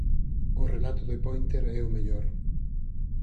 O relato de Pointer é o mellor.